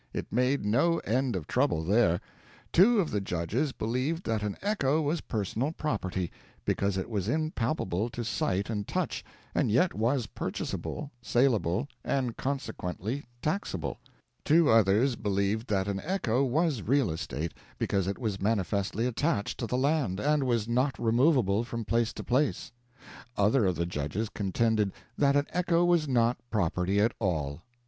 It made no end of trouble there. Two of the judges believed that an echo was personal property, because it was impalpable to sight and touch, and yet was purchasable, salable, and consequently taxable; two others believed that an echo was real estate, because it was manifestly attached to the land, and was not removable from place to place; other of the judges contended that an echo was not property at all.